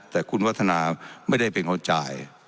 แต่คุณวัฒนาไม่ได้เป็นคนจ่าย